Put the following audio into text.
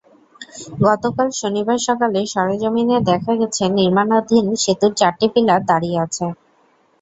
গতকাল শনিবার সকালে সরেজমিনে দেখা গেছে, নির্মাণাধীন সেতুর চারটি পিলার দাঁড়িয়ে আছে।